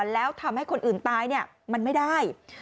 แล้วทำให้คนอื่นตายมันไม่ได้